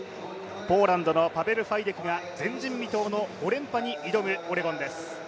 ポーランドのファイデクが前人未到５連覇に挑むファイナルです。